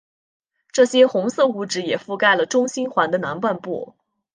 这些红色物质也覆盖了中心环的南半部。